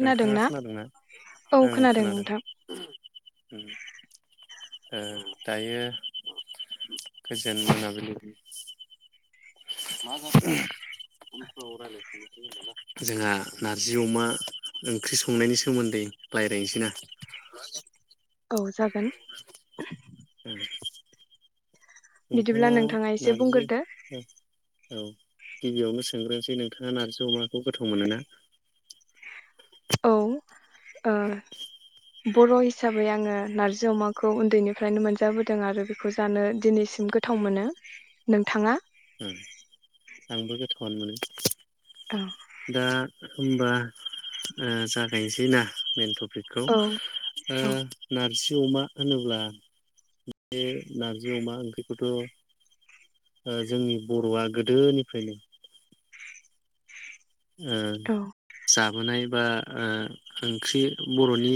नोंथाङा खोनादोंना औ ओं खोनादों। नोंथां ओ दायो गोजोन मोनाबिलि। जोंहा नारजि अमा ओंख्रि संनायनि सोमोन्दै रायज्लायनोसै ना। औ जागोन। उम बिदिब्ला नोंथाङा एसे नारजि बुंग्रोदो। औ गिबियावनो सोंग्रोनोसै नोंथाङा नारजि अमा बे गोथाव मोनोना औ ओ बर' हिसाबै आङो नारजि अमाखौ उन्दैनिफ्रायनो मोनजाबोदों आरो बेखौ जानो दिनैसिम गोथाव मोनो नोंथाङा उम आंबो गोथावानो मोनो अ दा होमबा ओ जागायनोसै ना मेनथ' खौ औ ओ औ नारजि नारजि अमा होनोब्ला बे नारजि अमा ओंख्रिखौथ' ओ जोंनि बर'आ गोदोनिफ्रायनो ओ औ जाफ माबोनाय बा ओंख्रि बर'नि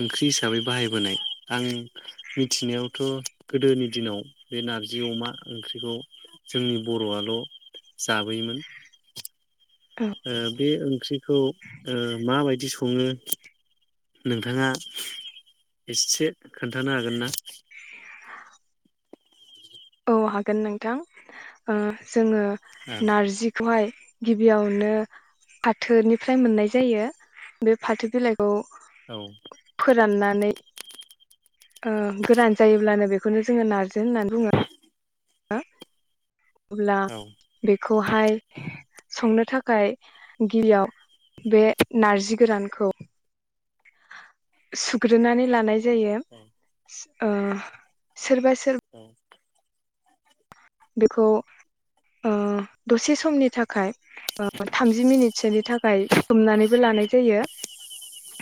ओंख्रि हिसाबै बाहायबोनाय आं मिथिनायावथ' गोदोनि दिनाव बे नारजि अमा ओंख्रिखौ जोंनि बर'आल' जाबोयोमोन। औ ओ बे ओंख्रि। खौ ओ माबायदि सङो नोंथाङा एसे खोन्थानो हागोन ना? औ हागोन नोंथां ओ जोङो औ नारजिखौहाय गिबियावनो फाथोनिफ्राय मोननाय जायो बे फाथो बिलाइखौ औ खौ फोरानना नानै गोरान जायोब्लानो बेखौनो जोङो नार्जि होननानै बुङो। अब्ला औ बेखौहाय संनो थाखाय गिबियाव बे नारजि गोरानखौ सुग्रोनानै लानाय जायो ओ सोरबा सोर औ बेखौ ओ दसे समनि थाखाय ओ थामजि मिनिटसोनि थाखाय सोमनानैबो लानाय जायो।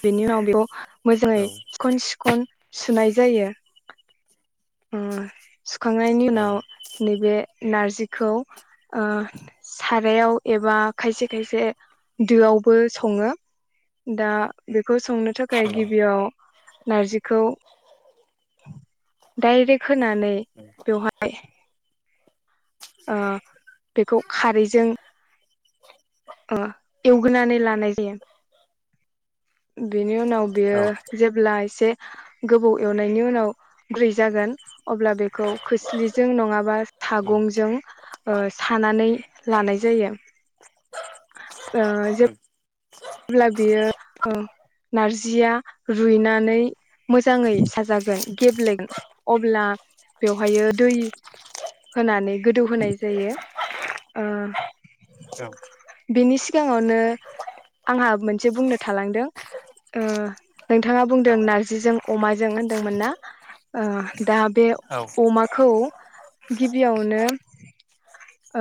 बिनि उनाव बेखौ औ मोजाङै सिखन सिखन सुनाय जायो। ओ सुखांनायनि औ ओं औ ओं उनाव नैबे। नारजिखौ ओ सारायाव एबा खायसे खायसे दोआवबो सङो दा बेखौ संनो थाखाय गिबियाव नार्जिखौ डायरेक्ट होनानै औ बेवहाय फाय ओ बेखौ खारैजों ओ एवग्रोनानै लानाय जायो बेनि उनाव बेयो जेब्ला एसे गोबौ एवनायनि उनाव गुरै जागोन अब्ला बेखौ खोस्लिजों नङाबा सागंजों सानानै लानाय जायो। ओ जो अब्ला बियो नारजिया रुइनानै मोजाङै साजागोन गेब्लेगोन अब्ला बेवहायो दै होनानै गोदौहोनाय जायो ओ बेनि सिगाङावनो आंहा मोनसे बुंनो थालांदों ओ नोंथाङा बुंदों नारजिजों अमाजों होनदोंमोन ना दा बे अमाखौ गिबियावनो ओ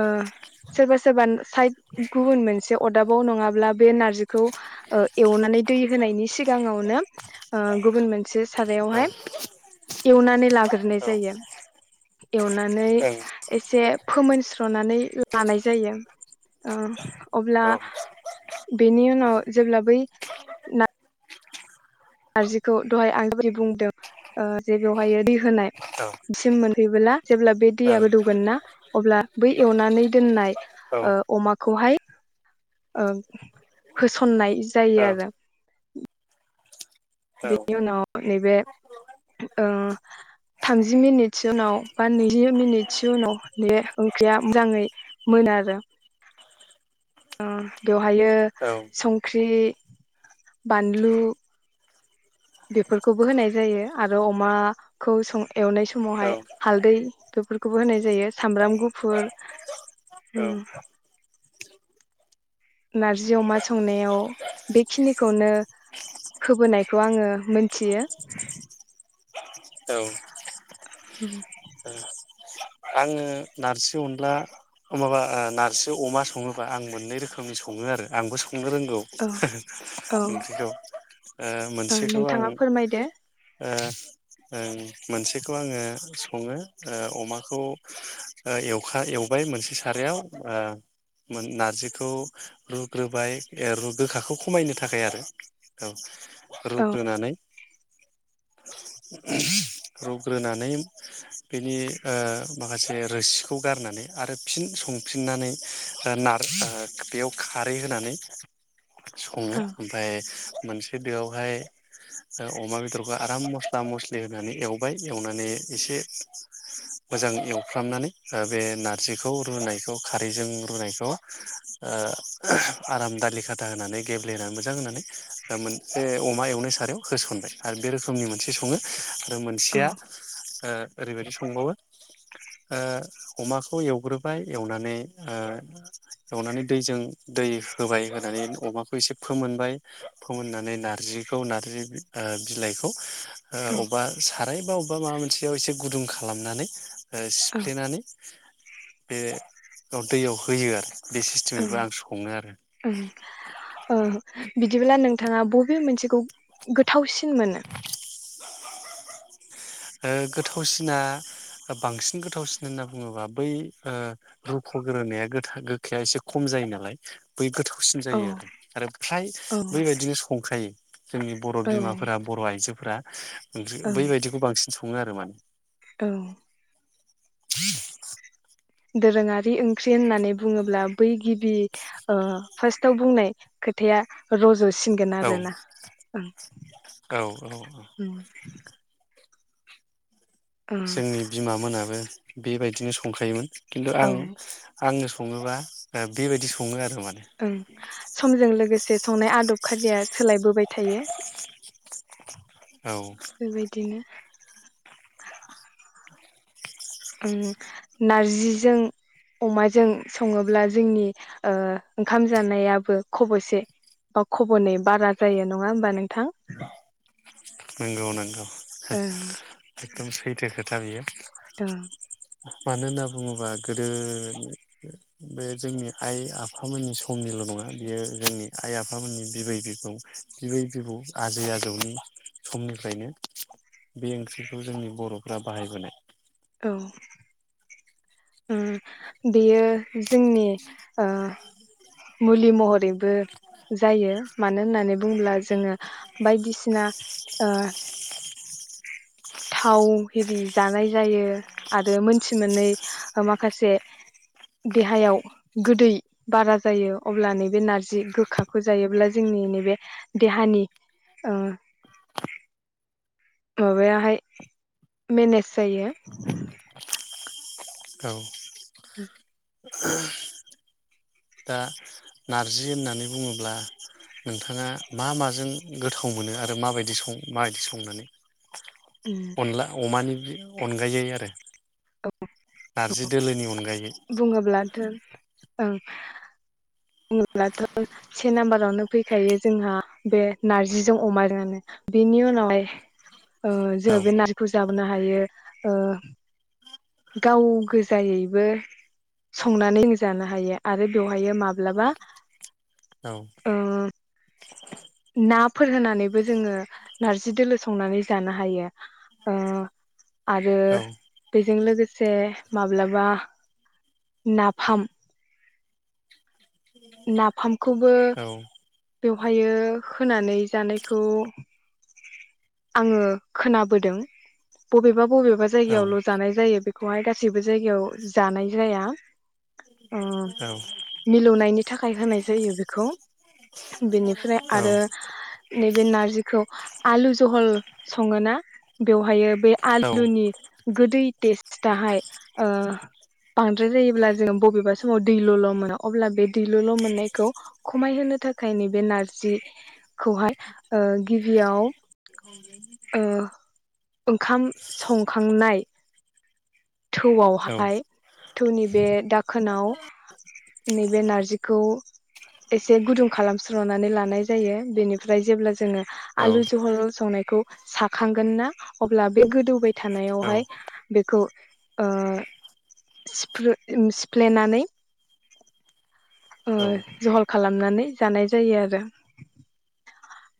सोरबा सोरबा साइद गुबुन मोनसे अरदाबाव नङाब्ला बे नारजिखौ एवनानै दै होनायनि सिगाङावनो ओ गुबुन मोनसे सारायावहाय एवनानै लाग्रोनाय जायो एवनानै एसे फोमोनस्रो नानै लानाय जायो ओ अब्ला बेनि उनाव जेब्ला बै ना नारजिखौ दहाय आं जेरै बुंदों जे बेवहाय दै होनाय सिम मोनफैबोला जेब्ला बे दैआ गोदौगोन ना अब्ला बै एवनानै दोननाय अमाखौहाय होसननाय जायो आरो। औ बेनि उनाव नैबे ओ थामजि मिनिटसो उनाव बा नैजि मिनिटसो उनाव बे ओंख्रिया मोजाङै मोनो आरो। ओ बेवहायो औ औ संख्रि बानलु बेफोरखौबो होनाय जायो आरो अमाखौ सं एवनाय औ समावहाय हालदै बेफोरखौबो होनाय जायो सामब्राम गुफुर ओ औ नारजि अमा संनायाव बेखिनिखौनो होबोनायखौ आङो मोनथियो। औ होम आङो नारजि अनला माबा नार्जि अमा सङोबा आं मोननै रोखोमनि सङो आरो आंबो सङ रोंगौ औ औ ओंख्रिखौ ओ ओ मोनसेखौ आं नोंथाङा फोरमायदो ओ ओं मोनसेखौ आङो सङो अमा खौ एवखा एवबाय मोनसे सारायाव नारजिखौ रुग्रोबाय रु गोखाखौ खमायनो थाखाय आरो औ औ रुग्रोनानै रुग्रोनानै बेनि अ माखासे रोसिखौ गारनानै आरो फिन संफिननानै अ नार बेयाव खारै होनानै सङो औ ओमफ्राय मोनसे दोआवहाय अ अमा बेदरखौ आराम स्ला मस्लि होनानै एवबाय एवनानै एसे मोजां एवफ्रामनानै अ बे नारजिखौ रुनायखौ खारैजों रुनायखौ ओ आराम दालि खाथा होनानै गेब्लेहानै मोजां होनानै अ मोनसे अमा एवनाय सारायाव होसनबाय आरो बे रोखोमनि मोन से सङो आरो औ मोनसेया ओ ओरैबायदि संबावो ओ अमाखौ एवग्रोबाय एवनानै ओ एवनानै दैजों दै होबाय होनानै अमाखौ एसे फोमोनबाय फोमोननानै नार्जिखौ नार्जि अ बिलाइखौ ओ अबेबा साराय अबेबा अबेबा माबा मोनसेयाव एसे गुदुं खालामनानै ओ औ सिफ्लेनानै बे दैयाव होयो आरो। बे औ सिस्टेमैबो आं सङो आरो औ ओ बिदिब्ला नोंथाङा बबे मोनसेखौ गोथावसिन मोनो। ओ गोथावसिना बांसिन गोथावसिन होनना बुङोबा बै ओ रुफोग्रोनाया गो गोखाया एसे खम जायो नालाय बै गोथाव। सिन औ जायो आरो आरो फ्राय औ बैबायदिनो संखायो जोंनि बर' औ बिमाफोरा बर' आइजो। फोरा [inaudible] ओंख्रि बैबायदिखौ बांसिन सङो आरो माने ओं [unintelligible] दोरोङारि ओंख्रि होननानै बुङोब्ला बै गिबि ओ फास्टाव बुंनाय खोथाया रज' सिनगोन औ आरो ना औ औ ओं ओं जोंनि बिमा मोनाबो बेबायदिनो संखायोमोन खिन्थु आं ओं आङो सङोबा बेबायदि सङो आरो माने ओं समजों लोगोसे संनाय आदब खानथिया सोलायबोबाय थायो औ बेबायदिनो उम नारजिजों अमाजों सङोब्ला जोंनि ओ ओंखाम जानायाबो खब'से बा खब'नै बारा जायो नङा होमबा नोंथां नोंगौ नोंगौ ओं एकदम सैथो खोथा बियो ओं मानो होनना बुङोबा गोदो बे जोंनि आइ आफामोननि समनिल' नङा बियो जोंनि आइ आफामोननि बिबै बिबौ बिबै बिबौ आजै आजौनि समनिफ्रायनो बे ओंख्रिखौ जोंनि बर'फोरा बाहायबोनाय औ उम बेयो जोंनि ओ मुलि महरैबो जायो मानो होननानै बुङोब्ला जोङो बायदिसिना ओ थाव आरि जानाय जायो आरो मोनथि मोननै माखासे देहायाव गोदै बारा जायो अब्ला नैबे नारजि गोखाखौ जायोब्ला जोंनि नैबे देहानि ओ माबायाहाय मेनेज जायो औ [inaudible] दा नारजि होननानै बुङोब्ला नोंथाङा मा माजों गोथाव मोनो आरो माबायदि सं माबायदि संनानै अनला अमानि अनगायै आरो नारजि दोलोनि अनगायै ओं बुङोब्लाथ' होनङोब्लाथ' से नाम्बारावनो फैखायो जोंहा बे नारजिजों अमाजों बेनि उनावहाय ओ जोङो औ बे नारजिखौ जा नो हायो ओ गाव गोजायैबो संनानैजानो हायो आरो बेवहायो माब्लाबा औ ओ नाफोर होनानैबो जोङो नारजि दोलो संनानै जानो हायो ओ आरो औ बेजों लोगोसे माब्लाबा नाफाम नाफाम खौबो बेवहाय होनानै जानायखौ आङो खोनाबोदों बबेबा बबेबा बा औ जायगायावल' जानाय जायो बे खौहाय गासैबो जायगायाव जानाय जाया ओ औ मिलौनायनि थाखायल' होनाय जायो बेनिफ्राय आरो नैबे नारजिखौ आलुजों जझहल सङोना बेवहाय बे औ आलुनि गोदै टेस्टाहाय ओ बांद्राय जायोब्ला जोङो बबेबा समाव दैलल' मोनो अब्ला बे दैलल' मोननायखौ खमायहोनो थाखाय नै बे नारजिखौहाय ओ गिबियाव ओ ओंखाम संखांनाय थौआवहाय थौनि बे दाखोनाव नैबे नारजिखौ एसे गुदुं खालामस्र'नानै लानाय जायो बेनिफ्राय जेब्ला जोङो आलु औ जहल संनायखौ साखांगोन ना अब्ला बे गोदौबाय थानायावहाय बेखौ ओ सिफ्लेनानै ओ औ जहल खालामनानै जानाय जायो आरो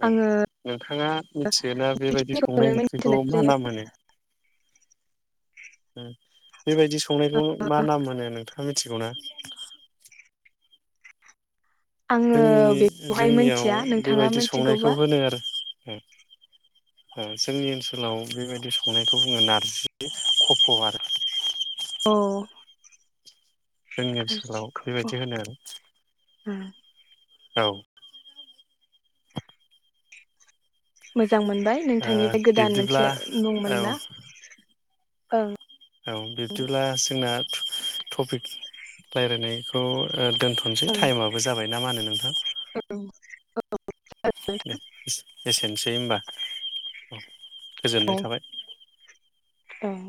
औ आङो नोंथाङा मिथिगोना बेबायदि खौनो संनाय ओंख्रिखौ मिथिनाय मा जायो नाम होनो [inaudible] बेबायदि संनायखौ मा नाम होनो नोंथाङा मिथिगौ ना आङो जोंनि बेखौहाय जोंनियाव मिथिया नोंथाङा बेबायदि संनायखौ मिथिगौबा होनो आरो जोंनि ओनसोलाव बेबायदि संनायखौ बुङो नारजि खफ' आरो औ जोंनि ओनसोलाव नारजिखौ बेबायदि होनो आरो [inaudible] औ मोजां मोनबाय नों ओ नोंथांनिफ्राय गोदान बिब्दिब्ला मोनसे मुं औ मोनना औ औ बिब्दिब्ला जोंना टपिक रायज्लायनायखौ खौ दोनथ'नोसै ओं टाइमाबो जाबाय ना मा होनो नोंथां [unintelligible] दे एसेनोसै होनोमबा औ गोजोननाय थाबाय औ